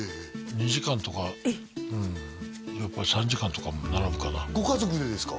２時間とかやっぱ３時間とか並ぶかなご家族でですか？